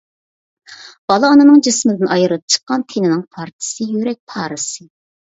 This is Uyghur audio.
بالا ئانىنىڭ جىسمىدىن ئايرىلىپ چىققان تېنىنىڭ پارچىسى، يۈرەك پارىسى.